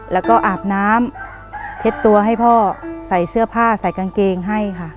แล้วก็อาบน้ำเช็ดตัวให้พ่อใส่เสื้อผ้าใส่กางเกงให้ค่ะ